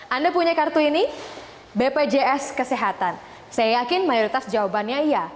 anda punya kartu ini bpjs kesehatan saya yakin mayoritas jawabannya iya